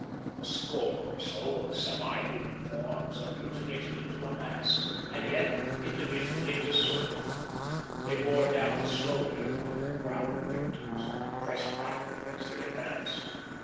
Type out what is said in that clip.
A score or so of semi human forms, agglutinated into a mass, and yet individually discernible. They bore down slowly upon the crowd of victims, who pressed backward as they advanced.